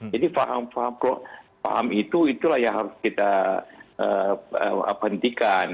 jadi paham paham itu itulah yang harus kita hentikan